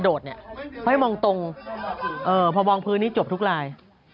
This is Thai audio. เอาตั้งขามต้องสงสารคุณเอสุปชัย